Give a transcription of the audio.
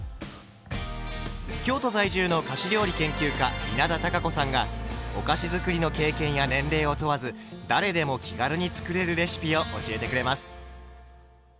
京都在住の菓子料理研究家稲田多佳子さんがお菓子づくりの経験や年齢を問わず誰でも気軽に作れるレシピを教えてくれます。